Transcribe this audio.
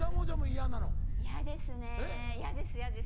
嫌ですね嫌です嫌です。